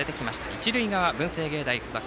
一塁側、文星芸大付属。